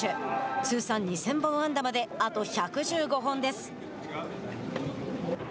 通算２０００本安打まであと１１５本です。